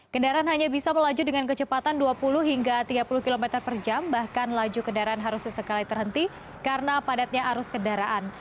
kendaraan hanya bisa melaju dengan kecepatan dua puluh hingga tiga puluh km per jam bahkan laju kendaraan harus sesekali terhenti karena padatnya arus kendaraan